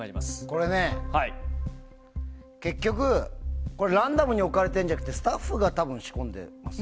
これね、結局ランダムに置かれているんじゃなくてスタッフが仕込んでるんですよ。